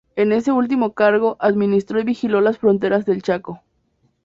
En este último cargo, administró y vigiló las fronteras del Chaco.